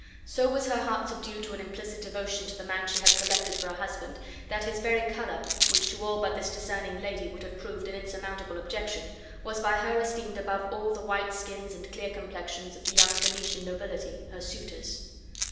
So was her heart subdued to an implicit devotion to the man she had selected for a husband that his very color, which to all but this discerning lady would have proved an insurmountable objection, was by her esteemed above all the white skins and clear complexions of the young Venetian nobility, her suitors.